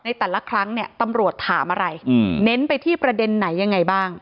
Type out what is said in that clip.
แต่ละครั้งเนี่ยตำรวจถามอะไรเน้นไปที่ประเด็นไหนยังไงบ้าง